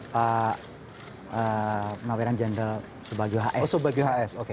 pak maweran jenderal subagio hs